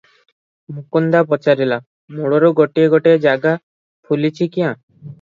ମୁକୁନ୍ଦା ପଚାରିଲା,"ମଳୁର ଗୋଟାଏ ଗୋଟାଏ ଜାଗା ଫୁଲିଛି କ୍ୟାଁ?